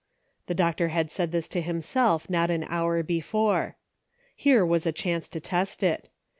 The doctor had said this to himself not an hour before. Here was a chance to test it.